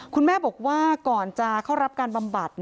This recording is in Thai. คุณแม่บอกว่าก่อนจะเข้ารับการบำบัด